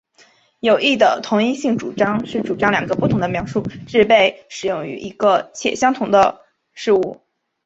有益的同一性主张是主张两个不同的描述是被使用于一个且相同的事物。